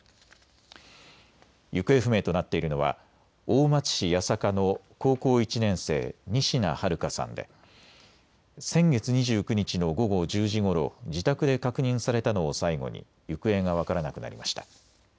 行方不明となっているのは大町市八坂の高校１年生、仁科日花さんで先月２９日の午後１０時ごろ自宅で確認されたのを最後に行方が分からなくなりました。